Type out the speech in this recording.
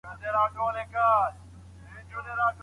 د کاربن مونو اکساید خطرونه څه دي؟